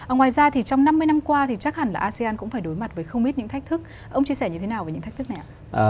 ngoài ra thì trong năm mươi năm qua thì chắc hẳn là asean cũng phải đối mặt với không ít những thách thức ông chia sẻ như thế nào về những thách thức này ạ